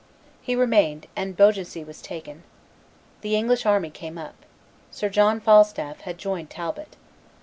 He remained, and Beaugency was taken. The English army came up. Sir John Falstolf had joined Talbot.